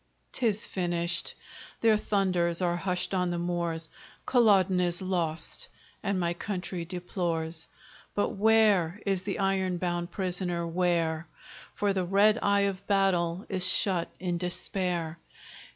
'Tis finished. Their thunders are hushed on the moors: Culloden is lost, and my country deplores. But where is the iron bound prisoner? where? For the red eye of battle is shut in despair.